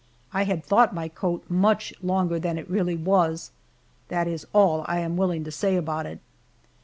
I had thought my coat much longer than it really was that is all I am willing to say about it.